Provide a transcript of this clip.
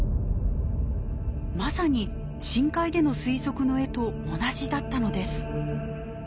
まさに深海での推測の絵と同じだったのです。